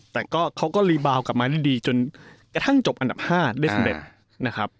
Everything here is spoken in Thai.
แต่ก็เขาก็รีบาวกลับมาได้ดีจนกระทั่งจบอันดับ๕ได้สำเร็จนะครับ